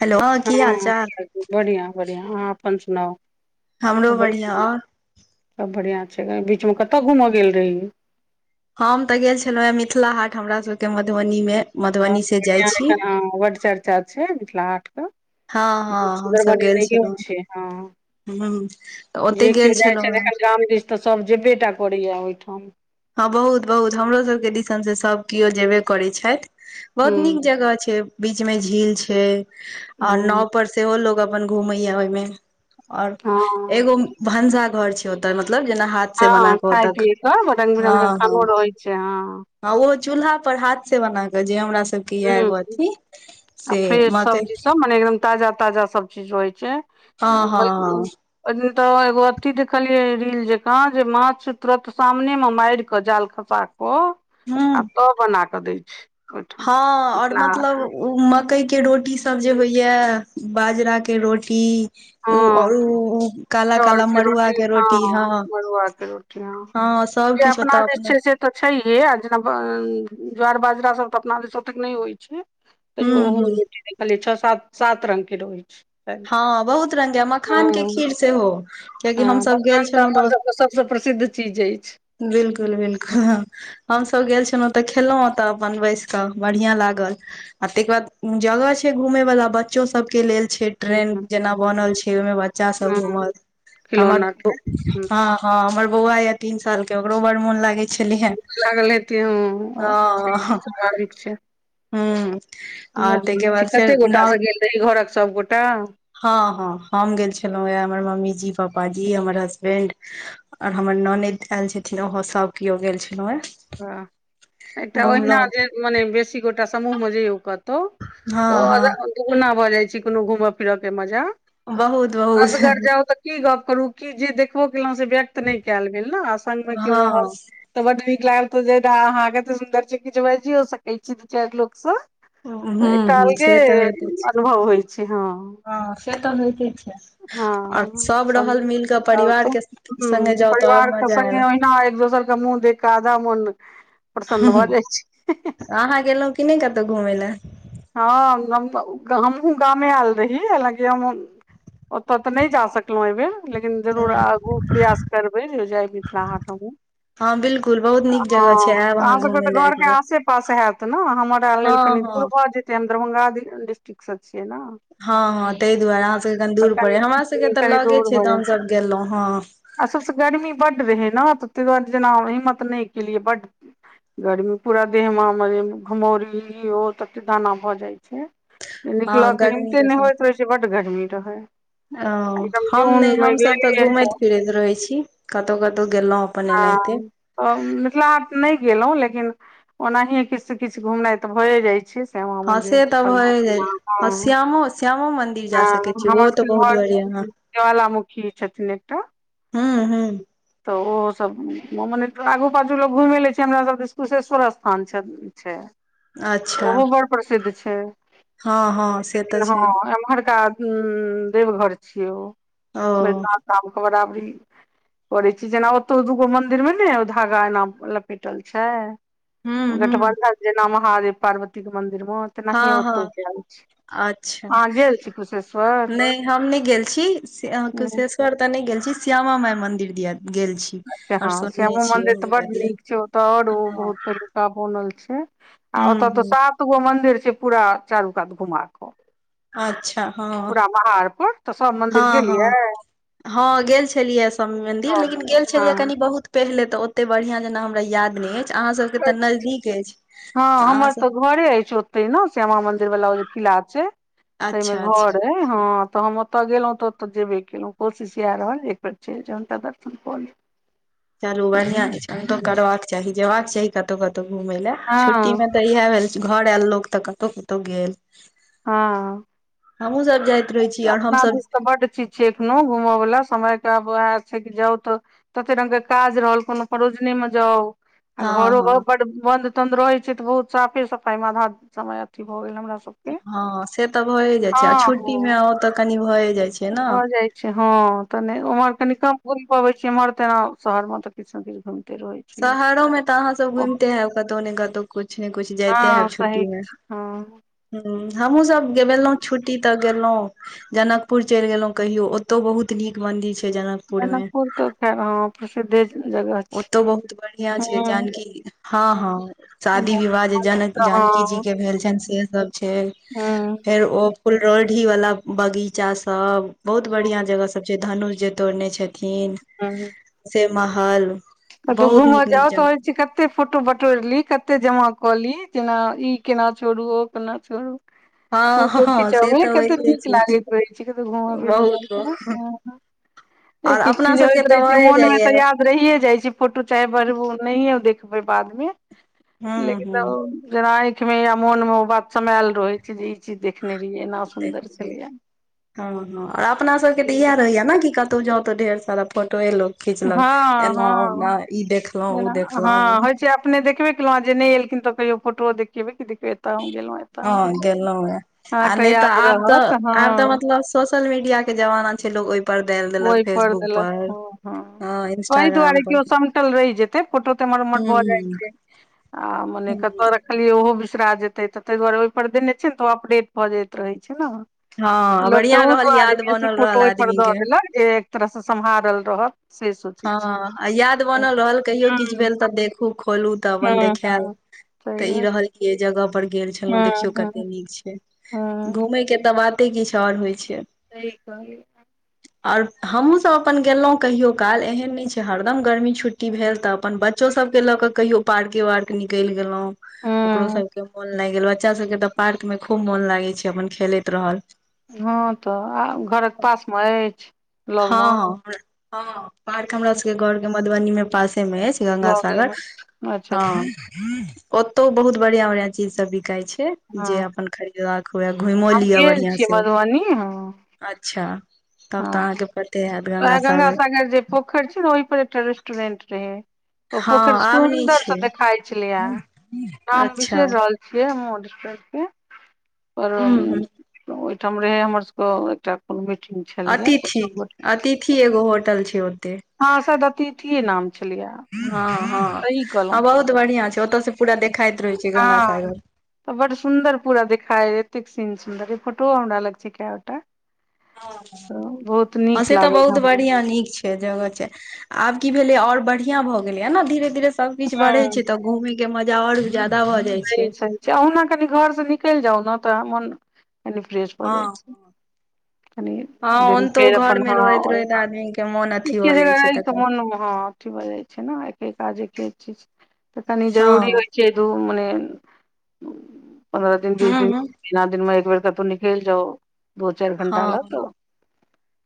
Hello की हाल चाल बढ़िया बढ़िया आहँ अपन सुनाउ हमरो सब बढ़िआँ बढ़िआं ओर सब बढ़िआँ छै बीचमे कतऽ घूमऽ गेल रहि हम तऽ गेल छलौ हे मिथिला हाट हमरा सबके मधुबनी मे बहुत बढ़िया ऐखन बढ़ चर्चा छै मिथिला हाट के हँ हँ बहुत सुंदर हमसभ गेल बनेनेओं छलहुँ छै हँ ह तऽ ओते जे गेल केओ जाइ छै छलहुँ हेँ एखन गाम दृस तऽ सब जेबे टा करैया ओहिठाम हँ बहुत बहुत हमरो सबके दिसन से सभ केओ जेबे करै छैथ बहुत नीक हूँ जगह छै बीच में झील छै आर हँ नाव पर सेहो लोग अपन घूमे या ओहिमे ओर हँ एगो भनसा घर छै ओत मतलब जेना हाथ से बना हँ कऽ खाय ओतऽ पियए क [unintelligible] खानो रहै छै हँ ह ओहो चूल्हा पर हाथ से बना कऽ जे हमरा सबके य एगो हूँ अथी से आ फ्रेश मकइ सब्जीसभ मने एकदम ताजा ताजा सभचीज होइ छै हँ हँ ओइ हँ दिन तऽ एगो अथी देखलियै रील जेका जे माछ तुरन्त सामने मे माइर कऽ जाल खसा क आ हूँ तब बना कऽ दै छै ओहिठाम हँ ओर मिथिला हाट मतलब मे मकई के रोटी स सब जे होइया बाजरा के रोटी उ हँ ओर ऊ काल काल मड़ुआ के रोटी हँ मरुआ के रोटी हँ सब जे किछु ओत अपना दिस अपने छै से तऽ छैहे आ जेना अं अं ज्वार बाजरा सब तऽ अपना देस ओतेक नय होइ छै हूँ तइओ ओहो हूँ रोटी देखलि छ सात सात रंगके रहो छै सैयद ह बहुत रंग के मखान के खीर सेहो कियकि हमस गेल छलो तऽ ओ सबसँ प्रसिद्ध चीज ऐछ बिलकुल बिलकुल हमसभ गेल छलो तऽ खेलो ओतय अपन बैस कऽ बढ़िआँ लागल आ तेकबाद जगह छै घूमे वाला बच्चो सब के लेल छै ट्रेन हँ जेना बनल छै ओइमे बच्चा सब हँ घूमल हमर खिलौना के पु हूँ हँ हँ हमर बौआ या तीन साल के ओकरो बड़ मोन लागे छै [unintelligible] स्वभाविक छै हूं आर ताहिके बाद फेर नौ सेइ घरक सब गोटा हँ हँ, हम गेल छलहुँ। ऐ हमर मम्मी जी, पापााजी, हमर हसबैंड आओर हमर ननद आयल छथिन ओहो सभ केओ गेल छलहु हे ह, एकटा ओहिना घुमलहुँ जे मने बेसी गोटा समूहमे जये कत हँ तऽ हँ तऽ अ दुगुना भऽ जाय छी कोनो घूमय फिरऽ के मजा बहुत बहुत असघर जाउ तऽ की गप करू, कि जे देखबो केलों से ब नहि कयल गेल ने, संग मे केओ हँ रहल तऽ बड नीक लागल त जे ह तऽ सुन्दर चकी ज बजी हो सकै छी त लोक स तऽ हूँ एकटा हूँ अलगे से तऽ होइते छै अनुभव होइ छै हँ हँ से त होइते छै हँ आओर हँ, सभ रहल संगे मिल कऽ जाउ परिवार तऽ। के हूं, संगे जाउ तऽ आओर परिवार के मजा आयल संगे ओहिना एक दोसर मुह देक आदा मन प्रसन्न भ जै छै। हं हं तऽ अहाँ गेलहुँं कि नहि कतहु घुमय लए? हाँ हम हम हमहूँ गामे आयल रही हँलकि हम, हम ओतऽ तऽ नहि जा सकलहुँ एहि बेर लेकिन जरूर आगू प्रयास करबै जे जाय मिथिला हाठ हमु हँ बिल्कुल बहुत नीक जगह हँ छै आयब अहाँ सबके घूमय तऽ लए एक घरके बेर आसे पास हैत ने, हमरा लेल कनि दूर ब हँ जे द दरभंगा डि डिस्ट्रिक्ट स छियै ने हँ हँ, ताहि दुआरे। अहाँ सभके कनी तऽ दूर पड़ै, हमरा सभके कनि तऽ लगे छै तऽ हमसभ गेलहुँ, हँ असलस गर्मी बढ़ रहे ने तऽ ती दुआरे हिम्मत नहि कलए बड गर्मी पूरा देह मे हमर घुमौरी ओ तते दाना भऽ जाइ छै निकल हँ के गर्मी हिमते नहि समय होय त ओहिस बड्ड गर्मी रहै ओ, हम नहि, हमसभ तऽ घूमैत फिरैत रहै छी। कतहु-कतहु गेलौं हँ अं मिथिला हाट नहि गेलहुं लेकिन ओनाहिए किछु से किछ घुमनाइ तऽ भए जाइ छी श्यामा हँ मन्दिर से त तऽ फालना भए जाइ चिलना हँ ह श्यामो श्यामो मंदिर जा सकै छी ओहो हमर तऽ सबके बहुत बढ़िया घर जवालामुुखी छथिन एकटा हु हु तऽ ओहो सब मने आगू पाछू लोग घुमे ले छै हमरा सब कुशेश्वर स्थान छै छै। अच्छा ओहो बड़ प्रसिद्ध छै हँ हँ से तऽ हँ, छै एमहरका हूं ऊं देवघर छियै ओ। ओ बैनाथधाम के बराबरी करै छी जेना ओतौ दूगो मंदिर मे ने धागा एना लपेटल छै हूँ हूँ गठबन्धन जेना महादेव पार्वती के मन्दिर मे त हँ नहि ओतो हँ केल छै अच्छा, अहाँ गेल छी कुशेश्वर नहि हम नहि गेल छी। से अहाँ नहि कुशेश र ते नहि गेल छी। श्यामा माई मंदिर दिया गेल छी अच्छा आओर हँ, सुनने श्यामो छियै मंदिर तऽ हुनका बड दिया नीक छै। ओ तऽ आऔर ओ हँ बहुत पहिलुका बनल छै आ हूँ ओतऽ तऽ हूँ सात गो मंदिर छै पूरा चारू कात घुमा कऽ अच्छा हाँ। पूरा महार पर तऽ सब मंदिर हँ, गेलियै हँ हाँ गेल छलियै शामी मन्दिर सब लेकिन गेल मंदिर छलियै हँ कनि बहुत पहिले तऽ ओते बढ़िआं जेना हमरा याद नहि अछि अहाँसभ के तऽ नजदीक अछि तऽ हँ हमर अहाँसभ घरे अछि ओते ने श्यामा मंदिर वाला ओ किला छै, ताइ में अच्छा अच्छा घर अ हँ, तऽ हम ओतय गेलहुं तऽ ओतऽ जेबे केलहुँ। कोशिश इएह रहल एक बेेर चलि जाउ तनिटा दर्शन कऽ ले चलू बढ़िया छै, हम तो करबाक चाही, जेबाक चाही कतहु कतौ घूमय ले। हँ छुट्टी मे तऽ इएह भेल घर आयल लोकग तऽ कतौ कतौ गेल हाँ हमहुँ सब जाइत रहै छी और अपना हमसब दिस तऽ बड चीज छे एखनो घूमय वला समय के आब वैहे छै की जाउ तऽ तते रंग के काज रहल कोनो परोजने मे जाँउ आ हँ घरो हँ बड्ड बन्द बन्द रहैत छै तऽ बहुत साफे सफाइ आधा समय अथी भऽ गेल हमरा सब हाँ से तऽ भए जाय छै आ हो छुट्टी मे ओ तऽ कनी भए जाय छै। ने भऽ जाइ हाँ तऽ नय उम्हर कनि कम घूमि पबे छीयै एम्हर तेना शहर मे तऽ किछु ने किछ घुम शहरो मे तऽ अहाँ सब घुमते हयब कतहु ने कतहु कछु ने कछु जायते हैब हँ छुट्टी सही मे छै हँ हुॅ हमहुँ सब गेबेलौं छुट्टी तऽ गेलहुँ जनकपुर चलि गेलौं कहियो ओतौ बहुत नीक मंदिर छै जनकपुर मे हाँ प्रसिद्धे जगह छै ओतौ बहुत बढ़ियाँ छै हँ जानकी हाँ हाँ हँ शादी विवाह जे जनक जानकी जी के भेल छैनि से सब छै हँ फेर ओ कुल रोढ़ी वाला बगीचा सब बहुत बढ़ियाँ जगह सब छै धनुष जे तोड़ने छै। खिन से महल कतौ बहुत घूम नीक नीक जाओ तऽ जगह होइ छै कत कते फोटो बटोरि ली कते जमा कली जेना ई केना छोड़ू ओ केना छोड़ू हँ फोटो हँ से खिचाबी तऽ कतौ होइते नीक छै लागैत रहै छैयन कतहु घूम फिरऽ बहुत जाऊ बहुत तऽ आओर एक एक अपना चीज सबके होइत रहै तऽ छै भए मोन मे जाइया तऽ याद रहिये जाइ छै फोटो चाहे बढ़बू नहियें देखबै बाद मे हूँ लेकिन न हूँ ओ जेना आँखि मे या मोन मे ओ बात समैयल रहै छै जे ई चीज देखने रहियै एना हाँ सुन्दर छलैये हाँ आओर अपना सबके तऽ इएह रहैया ने की कतौ जाउ तऽ ढेर सारा फोटए लो खिचलक हँ एना हँ ओना ई देखलौं उ जेना हँ देखलौं होइ छै अपने देखबे केलौं आ जे नय एलखिन तो कहियो फोटो देखेबे कि देखब एते हम गेलौं एतऽ हम हँ गेलौं गेलहुँ हे हाँ आ एकता नहि तऽ याद आब तऽ रहत आब तऽ हाँ मतलब सोशल मीडिया के जमाना छै लोग ओइ ओइ पर देलक हाँ हाँ हँ ओहि इंस्टाग्राम दुआरे की पर ओ समटल रहि जेतै फोटो ते एम्हर उम्हर हूँ भऽ जाइ छै आ मने कत हूँ कहलियै ओहो बिसरा जेतै तऽ ताहि दुआरे ओहि पर देने छियै ने तऽ ओ अपडेट भऽ जाइत रहै छै न हँ लोक बढ़िआँ तहु रहल दुआरे याद बेसी बनल फोटो रहल ओहिपर आदमी दऽ के देलक जे एक तरहसँ सम्हारल रहत से सोचै छै हाँ आ याद हूँ बनल रहल कहियो किछु भेल तऽ देखू खोलू तऽ अपन हूँ देखायल हूँ सही तऽ ई बात रहल की अहि जगह पर गेल छलहुँ हूँ देखियो हूँ कते नीक छै हूँ घूमय के तऽ बाते किछु आओर होइ छै। सहि कहलिए आओर हमहुँ सब अपन गेलहुँं कहियो काल एहन नय छै हरदम गर्मी छुट्टी भेल तऽ अपन बच्चो सब के ल के कहियो पार्के वार्के निकलि गेलौं ओकरो हूँ सबके मोन लागि गेल बच्चा सबके तऽ पार्क मे खूब मोन लागै छै अपन खेलैत रहल हाँ तऽ आ घरक पास मे अछि लगमे हाँ पार्क हमरा सबके घर के मधुबनी मे पासे मे अछि। लगे गंगासागर मे अच्छा अच्छा हाँ ओतौ बहुत बढ़ियाँ बढ़ियाँ चीज सब बिकाई छै जे हँ अपन खरीद घुइमो हम लिअ गेल बढ़ियाँ छियै से मधुबनी हँ अच्छा तब तऽ अहाँके पर वेहे गंगा सागर जे पोखरि छौ न ओहि पर एकटा रेस्टोरेंट रहै तऽ हँ पोखरि आमनी सुन्दर छै से देखाइ छलै या नाम अच्छा बिसैर रहल छियौ [inaudible] ओहिठाम रहे हमर सबके एक [inaudible] छलियै ओ ठी एगो होटल छै ओते हँ सायद अतिथिेए नाम छलियै हँ हँ ह बहुत बढ़िया छै ओतय से पूरा देखाइत रहै छै गंगा हँ सागर तऽ बड सुंन्दर पूरा देखाय एतेक सीन सुन्दर फोटो हमरा लग छै कएटा हँ नीक से तऽ लागल बहुत हमरा बढ़िया नीक छै जगह छै आब की भेलै आओर बढ़िया भऽ गेलैय न धीरे धीरे सब किछ बढ़े हूँ छै तऽ घूमेके के मजा आओर जादा भ सही सही छै अहुना कनि घर स निकलि जाउ ने तऽ मन कनि फ्रेश भऽ हँ जाइ छै क हँ दिन ओनतो फेर घर अपन मे हँ रहैत रहैत आदमी के मोन अथी एके भऽ जाइ जगह छै र त तकर मन हँ छ भ जाइ छै ने एके काज एके चीज तऽ कनी हँ जरूरी होइ छै दू मने पन्द्रह दिन बीस दिन हूँ महिना दिनमे एक बेर कतौ निकलिजौ दो चारि घंटा हँ ल तऽ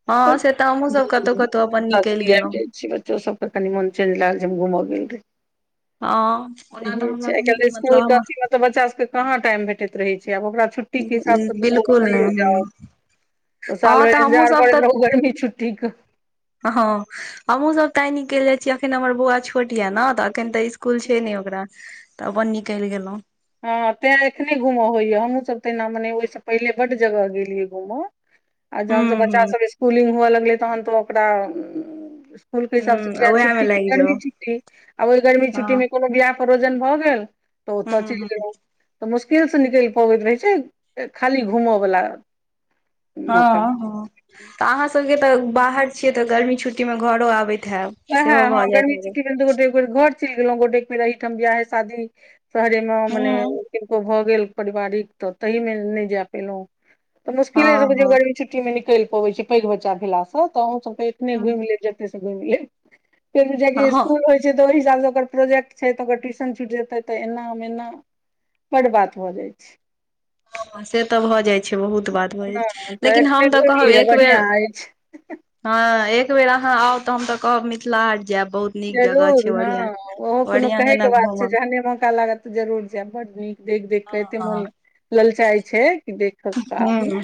हँ से तऽ हमहुँ सब कतहु कतहु अपन निकलि गेलहुँ बच्चो सब तऽ कनी मोन चेंज लागल छै हम घूम गेल रही ह ओना तऽ हमरा कत इ के अी मे तऽ बच्चा सब के कहाँ टाइम भेटैत रहै छै आब ओकरा छुट टी के हिसाब सँ बिलकुल [inaudible] नहि जाउ ह तऽ साल हँ भरि हमहुँ इन्जार सब करैत तऽ रहू गर्मी छुट्टीेक हँ हमहुँ सब ताई निकलि जाइ छिय अखन हमर बौआ छोट य न तऽ एखन तऽइस इकुल छै ने ओकरा तऽ अपन निकलि गेलो हँ तें एखने घूम होइया हमहूँ सब त एना मने ओहिसँ पहिले बड जगह गेलिय घूम [unintelligible] आ जहनसँ हूँ बच्चाभ इसकुलिंग हुअ लगलै तहन तऽ ओकरा स्कुल के हिसाब हूँ से उएह मे छुट्टी छै लागि जाउ गर्मी छुट्टी आ ओहि गर्मी हँ छुट्टी कोनो बियाह परयोजन भऽ गेल ओतय हूँ चलि हूँ गेलहुँ तऽ मुश्किलसँ निकलि पबैत रहै छै खाली घूमयवला हँ हँ तऽ अहाँसभके तऽ बाहर छियै तऽ गर्मी छुट्टीमे घरो आबैत हयब वेहे हँ हँ गरमी छुट्टी गोटो घर चलि गेलों गोटे एहि ठाम बियाह हे शादी शहरे मे मने किनको भए गेल पारिवारिक तऽ तहि मे नहि जाय पेलहुं तऽ मुशकिले हँ रहै छै हँ गर्मी छूट टी मे निकलि पबै छै पैघ बच्चा भेलासँ तऽ अहुं सबके एखने हँ घुमा लेब जते से घुमि लेब फेर जे इसकुल हँ होइ छै तऽ ओहि हिसाबसँ ओकर प्रोजेक्ट छै तऽ ओकर ट्यूशन छुट जेतै तऽ एना एना बड़ बात हो जाइ छै ह [unintelligible] ह से तऽ भऽ जाइ छै बहुत बात भऽ जाइ हँ छै लेकिन एखने हम तऽ घुमि कहब लिअ एक बेेर बढ़ियां अछि हँ एक बेेर अहाँ आउ तऽ हम तऽ कहब मिथिला हाट जायब बहुत नीक जगह जरूर छै बढ़ियां हँ ओहो कोनो बढ़ियां कहैके जेना बात घूमब छै जहने मौका लागत जरूर जायब बड नीक देख देख के एते मन ललचाई छै कि देख कऽ आबी ह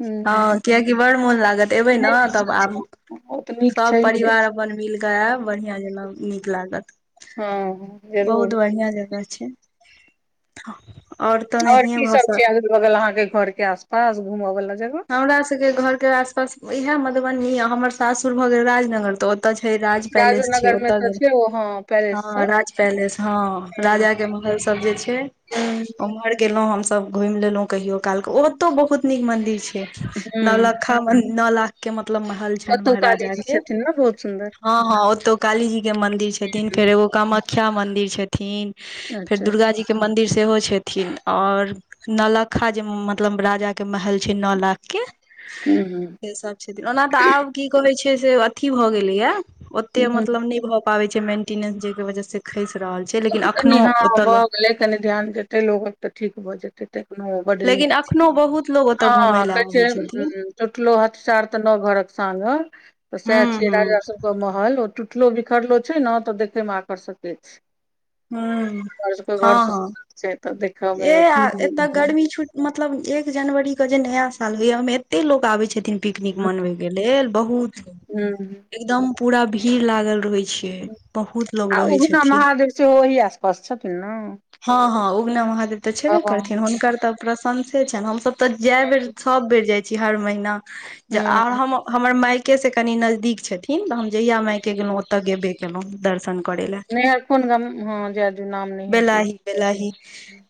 हूँ नहि हँ कियकि बड़ मोन लागत एबै ने नहि तब सच आब मे ओ तऽ नीक सब छैहे परिवार अपन मिल क आयब बढ़िआं जेना नीक लागत हँ बहुत जरूर बढ़िआँ जगह छै तऽ और नहिये की भऽ सब छै सक अगल बगल अहाँ के घर के आसपास घूम वाल्ला जगह हमरा सबके घरके आसपास इएहे मधुबनी हमर सासुर भऽ गेल राजनगर तऽ ओ ओतऽ छै राज राजो पैलेस छै नगर मे ओतऽ तऽ गेल छै ओ हँ पैलेस हँ सब राज पैलेस हँ हूँ राजा के महल सब जे छै हूँ उम्हरे गेलौ हमस घुइमि लेलहु कहियो काल के ओतौ बहुत नीक मंदिर छै हूँ नौलक खा नौलाख के मतलब महल छैन ओतौ काली महाराजा जी के छथिन ने बहुत सुन्दर हँ हँ ओतौ काली जी के मंदिर छथिन हूँ, फेर एगो कामख् ख्या मंदिर छथिन फेर अच्छा अच्छा दुर्गा जी के मंदिर सेहो छथिन और नलखा जे मतलब राजा के महल छै न लाख के हूँ हूँ से सब छथी ओना तऽ आब की कहै छै से अथी भऽ गेलैया ओते हूँ मतलब नै भऽ पाबै छै मेंटिनेंस जेके वजह से ई खैस रहल छै लेकिन कनि अखनो हाँ ओतऽ भ लोग गेलै कनि ध्यान देतै लोगब त ठीक भऽ जेतै तखनो बड नीक लेकिन छै अखनो बहुत लोग ओतय घूमय हँ लए कहै छै आबै छथिन हुॅं टूटलो हथसार तऽ न घरक सांगर तऽ सएह हूं छियै हूं। राजा सबके महल ओ टूटलो बिखरलो छै ने तऽ देखयमे आकर्षके दै छै हुंंऽ हमर सब केघरसँ छै तऽ देखयमे ए एतय गर्मी छुट मतलब एक जनवरी के जे नया साल होय ओय में एत्तेक लोक आबे छै पिकनिक मनबय के लेल बहुत हुॅं एकदम पुरा भीड़ लागल रहै छै पे बहुत लोग आ रहै उगना छथिन महादेव सेहो ओहि आसपास छथिन ने हँ हँ उगना महादेव तऽ छेबे बाबाह करथिन हुनकर तऽ प्रशंसे छैन हमसभ तऽ जै बेर सब बेर जाइ छी हर महिना ज आं हँ हम्मर हमर मायके से कनि नजदीक छथिन त हम जहिया मायके गेलहुँ ओत गेबै केलों दरशन नहियर कोन गम हँ जै दिऔ नाम नैहें कहियौ बेलाही बेलाही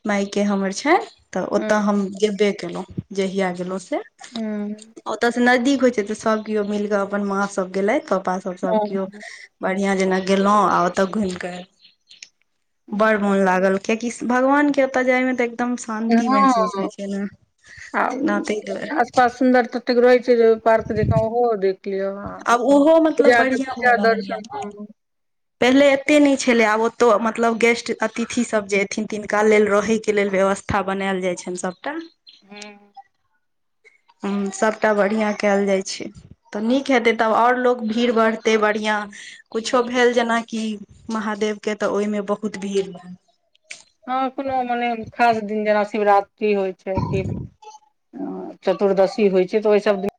माायके हमर छय तऽ ओतऽ हम हँ गेबे केलहुं जहिया गेलहुं से हँ ओत स नजदीक होइ छै तऽ सब केओ मिल के अपन माँ सब गेलैथ पपा सऽ पर सभ केओ बढ़िआं जेना गेलहुँ आ ओतऽ घुइम केऽ एलौऽ बड़ मोन लागल कियेकि स भगवानके ओतय जायमे तऽ दम शान्ति महसूस हँ होइ छैना ना आ नातै द्वारे आसपास सुन्दर ततेक रहै छै जे ओय में पार्क जेका ओहो देख देखियौ ह आब ओहो मतलब पूज बढ़ियां पूजा भऽ रहल ये दर्शन ने पहिले एत्ते नै छलय आब ओतौ मतलब गेस्ट अतिथिसभ जे एथिन तिनका लेल रहयके लेल व्यवस्था था बनायल जाइ छैन सबटा हुॅं हुंऽ सभटा बढ़िआँ कयल जाइ छै तऽ नीक हेतै तब अओरर लोक भीड़ बढ़तै बढ़िआँ कुछो भेल जेनाकि महादेव के तऽ ओहिमे बहुत भीड़ हँ कोनो मने खास दिन जेना शिवरात्रि होइ छै कि हं चतुर्दशी होइ छै तऽ ओहि सब दिन